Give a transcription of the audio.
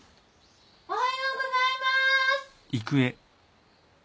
・おはようございまーす。